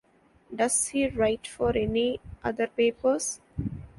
Does he write for any other papers?